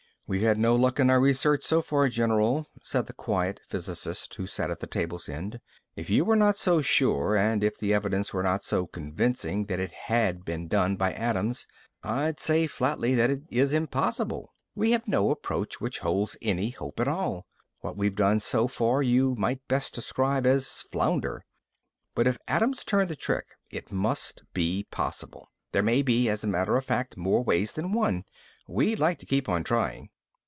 "We've had no luck in our research so far, General," said the quiet physicist who sat at the table's end. "If you were not so sure and if the evidence were not so convincing that it had been done by Adams, I'd say flatly that it is impossible. We have no approach which holds any hope at all. What we've done so far, you might best describe as flounder. But if Adams turned the trick, it must be possible. There may be, as a matter of fact, more ways than one. We'd like to keep on trying."